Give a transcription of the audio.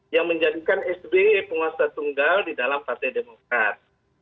yang menjadikan sby penguasa tunggal di dalam partai demokrat